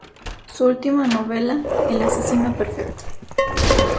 Su última novela, "El asesino perfecto.